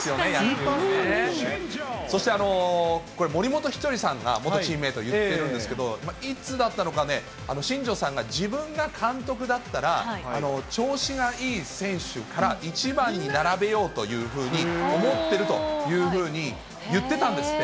そしてこれ、森本稀哲さんが元チームメート、言ってるんですけど、いつだったのかね、新庄さんが自分が監督だったら、調子がいい選手から１番に並べようというふうに思っているというふうに言ってたんですって。